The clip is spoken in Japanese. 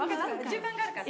順番があるから。